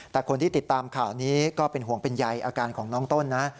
แต่คนที่ติดตามข่าวนี้ก็เป็นห่วงเป็นใยอาการของน้องต้นนะ